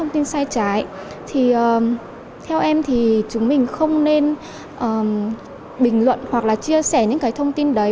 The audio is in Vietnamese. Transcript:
theo em thì chúng mình không nên bình luận hoặc là chia sẻ những thông tin đấy